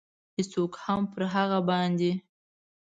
هېڅوک هم پر هغه باندې.